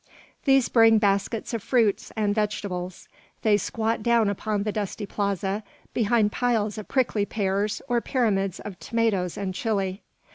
These bring baskets of fruit and vegetables. They squat down upon the dusty plaza, behind piles of prickly pears, or pyramids of tomatoes and chile.